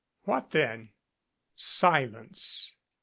"What, then?" Silence.